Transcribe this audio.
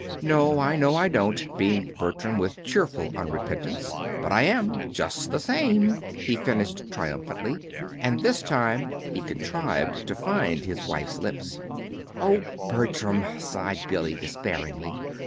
"No, I know I don't," beamed Bertram, with cheerful unrepentance; "but I am, just the same," he finished triumphantly. And this time he contrived to find his wife's lips. "Oh, Bertram," sighed Billy, despairingly.